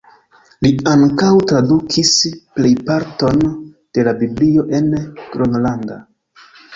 Li ankaŭ tradukis la plejparton de la Biblio en gronlanda.